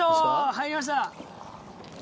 入りました。